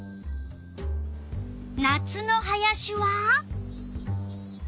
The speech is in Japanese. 夏の林は？